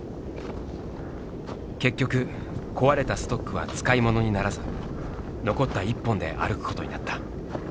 結局壊れたストックは使い物にならず残った一本で歩くことになった。